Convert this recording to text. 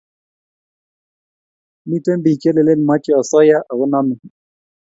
Miten pik che lelen mache osoya ako name